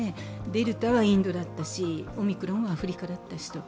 デルタはインドだったし、オミクロンはアフリカだったしと。